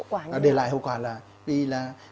vậy nó có thể để lại những hậu quả như thế nào